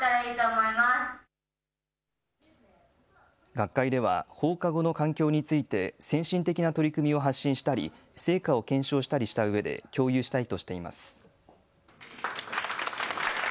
学会では放課後の環境について先進的な取り組みを発信したり成果を検証したりしたうえで共有したいとしています。